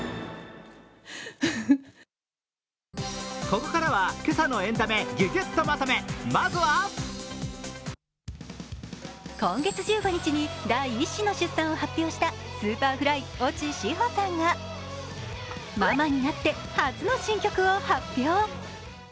ここからは今朝のエンタメぎゅぎゅっとまとめ、まずは今月１５日に第１子の出産を発表したＳｕｐｅｒｆｌｙ・越智志帆さんがママになって初の新曲を発表。